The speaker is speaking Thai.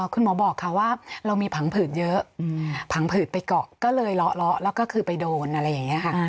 คุณหมอบอกค่ะว่าเรามีผังผืดเยอะผังผืดไปเกาะก็เลยเลาะแล้วก็คือไปโดนอะไรอย่างนี้ค่ะ